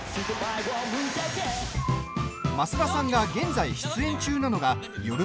増田さんが現在出演中なのがよる